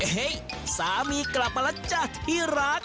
เฮ้ยสามีกลับมาแล้วจ๊ะพี่รัก